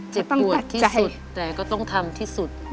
เจ็บปวดที่สุดแต่ก็ต้องทำที่สุด